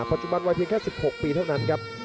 ปัจจุบันวัยเพียงแค่๑๖ปีเท่านั้นครับ